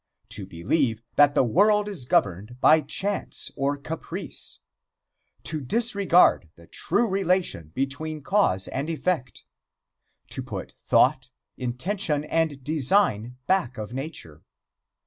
To believe that the world is governed by chance or caprice. To disregard the true relation between cause and effect. To put thought, intention and design back of nature.